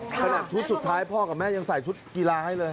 ขนาดชุดสุดท้ายพ่อกับแม่ยังใส่ชุดกีฬาให้เลย